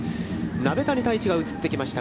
鍋谷太一が映ってきました。